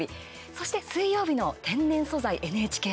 そして水曜日の「天然素材ＮＨＫ」